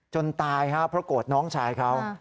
จนตายฮะพระโกรธน้องชายเขา